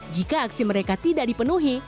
jika aksi mereka tidak dipenuhi